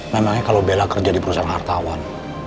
memangnya kalau bela kerja di perusahaan hartawan